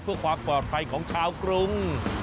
เพื่อความปลอดภัยของชาวกรุง